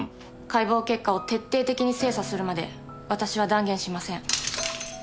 解剖結果を徹底的に精査するまで私は断言しません。